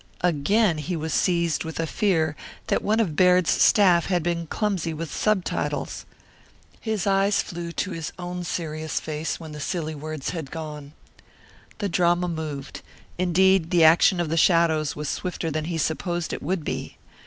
Again he was seized with a fear that one of Baird's staff had been clumsy with subtitles. His eyes flew to his own serious face when the silly words had gone. The drama moved. Indeed the action of the shadows was swifter than he supposed it would be.